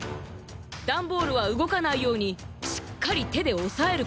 ダンボールはうごかないようにしっかりてでおさえること。